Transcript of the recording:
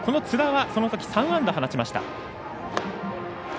津田はそのとき３安打、放ちました。